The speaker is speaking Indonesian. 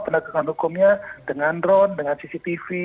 penegakan hukumnya dengan drone dengan cctv